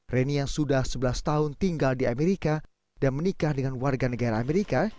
reni yang sudah sebelas tahun tinggal di amerika dan menikah dengan warga negara amerika